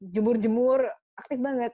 jemur jemur aktif banget